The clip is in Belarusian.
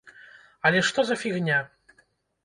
Але што за фігня?